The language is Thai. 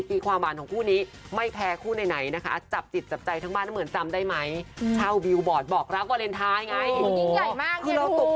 แต่คุณผู้ชมญิตรีกี้ความอาณห์ย์ของคู่นี้